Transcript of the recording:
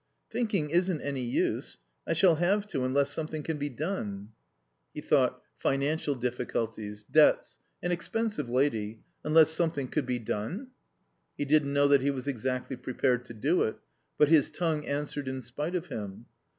"Thinking isn't any use. I shall have to, unless something can be done." He thought: "Financial difficulties. Debts. An expensive lady. Unless something could be done?" He didn't know that he was exactly prepared to do it. But his tongue answered in spite of him.